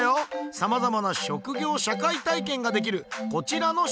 さまざまな職業社会体験ができるこちらの施設。